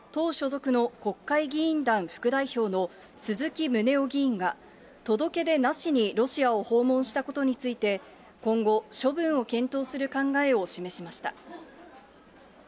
日本維新の会の藤田幹事長は、党所属の国会議員団副代表の鈴木宗男議員が、届け出なしにロシアを訪問したことについて、今後、処分を検討する考えを示しました。